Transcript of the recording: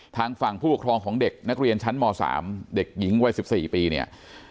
ทางฝั่งผู้ปกครองของเด็กนักเรียนชั้นม๓เด็กหญิงวัย๑๔ปีเนี่ย